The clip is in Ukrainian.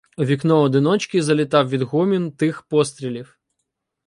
У вікно одиночки залітав відгомін тих пострілів.